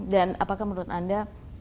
dan apakah mempunyai kemauan pemerintah